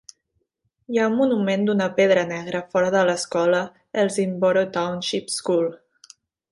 Hi ha un monument d"una pedra negra fora de l"escola Elsinboro Township School.